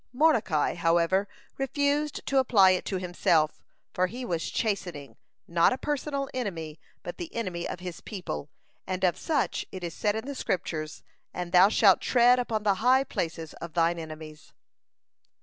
Mordecai, however, refused to apply it to himself, for he was chastising, not a personal enemy, but the enemy of his people, and of such it is said in the Scriptures: "And thou shalt tread upon the high places of thine enemies."